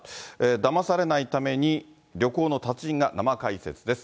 だまされないために旅行の達人が生解説です。